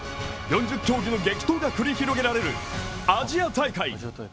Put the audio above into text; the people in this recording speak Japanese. ４０競技の激闘が繰り広げられるアジア大会。